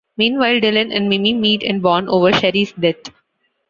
Meanwhile, Dillan and Mimi meet and bond over Sherry's death.